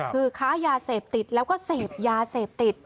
คือค้ายาเสพติดแล้วก็เสพยาเสพติด